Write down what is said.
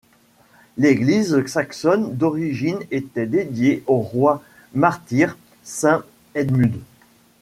L'église saxonne d'origine était dédiée au roi martyr saint Edmund.